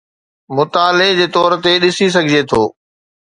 مطالعي جي طور تي ڏسي سگھجي ٿو.